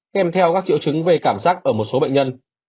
kèm theo các triệu chứng về cảm giác ở một số bệnh nhân